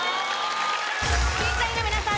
審査員の皆さん